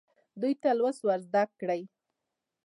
دوی ته لوست ورزده کړئ.